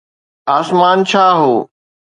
آسمان ڇا هو؟